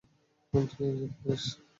তুই যেতে পারিস।